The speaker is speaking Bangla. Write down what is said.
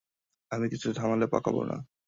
আমি কিছু ঝামেলা পাকাবো না।